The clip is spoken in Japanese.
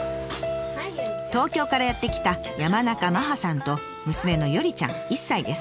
東京からやって来た山中麻葉さんと娘の寄ちゃん１歳です。